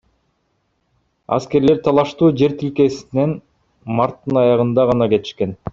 Аскерлер талаштуу жер тилкесинен марттын аягында гана кетишкен.